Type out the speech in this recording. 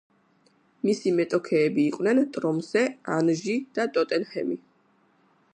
მისი მეტოქეები იყვნენ „ტრომსე“, „ანჟი“ და „ტოტენჰემი“.